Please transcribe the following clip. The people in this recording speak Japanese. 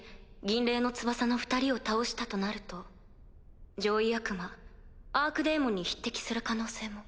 銀嶺の翼の２人を倒したとなると上位悪魔アークデーモンに匹敵する可能性も。